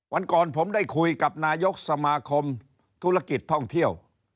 วันก่อนผมได้คุยกับนายกสมาคมธุรกิจท่องเที่ยว